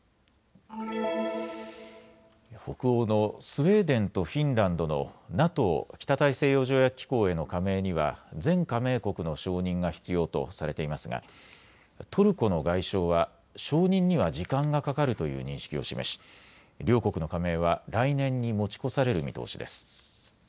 北欧のスウェーデンとフィンランドのＮＡＴＯ・北大西洋条約機構への加盟には全加盟国の承認が必要とされていますがトルコの外相は承認には時間がかかるという認識を示し両国の加盟は来年に持ち越される見通しです。